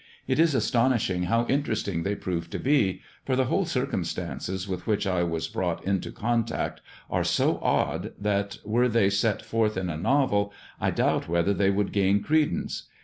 It is astonishing how interesting they prove to be, for the whole circumstances with which I was brought into contact are so odd, that were they set forth in a novel, I doubt whether they would gain credence.